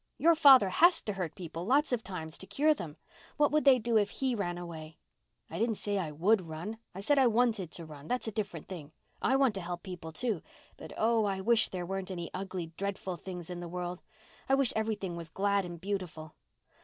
Your father has to hurt people lots of times to cure them. What would they do if he ran away?" "I didn't say I would run. I said I wanted to run. That's a different thing. I want to help people, too. But oh, I wish there weren't any ugly, dreadful things in the world. I wish everything was glad and beautiful."